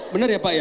bener ya pak ya